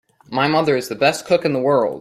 My mother is the best cook in the world!